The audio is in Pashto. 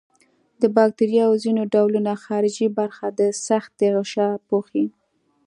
د باکتریاوو ځینې ډولونه خارجي برخه د سختې غشا پوښي.